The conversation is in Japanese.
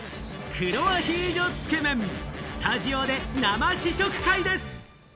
黒アヒージョつけめん、スタジオで生試食会です。